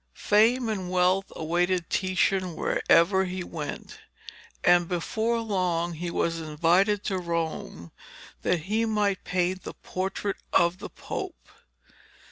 Fame and wealth awaited Titian wherever he went, and before long he was invited to Rome that he might paint the portrait of the Pope.